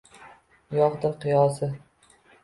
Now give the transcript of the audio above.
Yo’qdir qiyosi